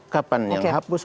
kapan yang hapus